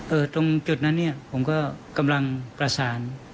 ตรงจุดนั้นเนี่ยผมก็กำลังประสาน